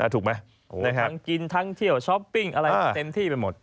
ทั้งกินทั้งเที่ยวช็อปปิ้งอะไรอย่างที่เป็นหมด